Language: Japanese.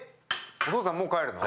お父さんもう帰るの？